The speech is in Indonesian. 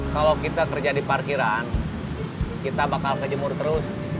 kalau kita kerja di parkiran kita bakal ngejemur terus